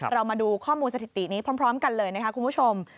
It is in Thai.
เรามาดูข้อมูลสถิตินี้พร้อมกันเลยนะคะคุณผู้ชม